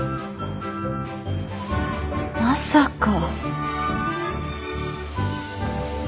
まさか。